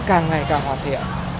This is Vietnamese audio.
càng ngày càng hoàn thiện